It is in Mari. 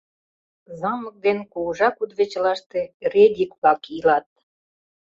Замок ден кугыжа кудывечылаште Редик-влак илат!